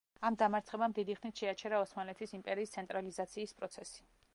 ამ დამარცხებამ დიდი ხნით შეაჩერა ოსმალეთის იმპერიის ცენტრალიზაციის პროცესი.